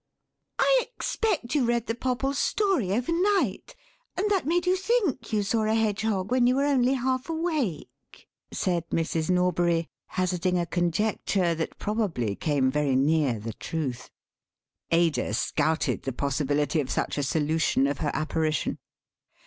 "I expect you read the Popple story overnight, and that made you think you saw a hedgehog when you were only half awake," said Mrs. Norbury, hazarding a conjecture that probably came very near the truth. Ada scouted the possibility of such a solution of her apparition.